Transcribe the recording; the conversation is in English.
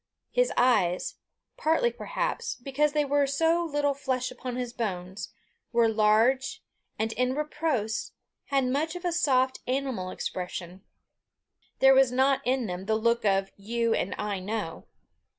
His eyes partly, perhaps, because there was so little flesh upon his bones were large, and in repose had much of a soft animal expression: there was not in them the look of You and I know.